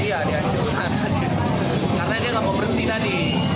iya di anjurkan karena dia nggak mau berhenti tadi